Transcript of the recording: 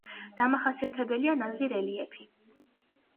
დამახასიათებელია ნაზი რელიეფი.